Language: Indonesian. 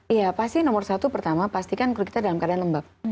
iya pasti nomor satu pertama pastikan kulit kita dalam keadaan lembab